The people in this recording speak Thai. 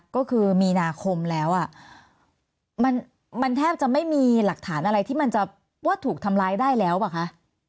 ก็คือมีนาคมแล้วมันแทบจะไม่มีหลักฐานอะไรที่มันจะว่าถูกทำร้ายได้แล้วป่ะคะ